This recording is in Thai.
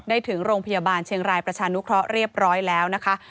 ถึงโรงพยาบาลเชียงรายประชานุเคราะห์เรียบร้อยแล้วนะคะ